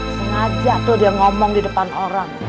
sengaja tuh dia ngomong di depan orang